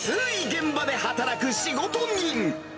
現場で働く仕事人。